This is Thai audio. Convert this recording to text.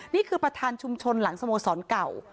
นี่คือประธานชุมชนหลังสโมสรเก่า